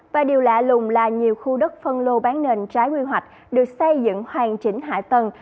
và điều lạ lùng là nhiều khu đất phân lô bán nền trái quy hoạch được xây dựng hoàn chỉnh hạ tầng